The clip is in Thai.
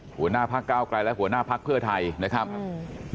หัวหน้าพักเก้าไกลและหัวหน้าพักเพื่อไทยนะครับอืม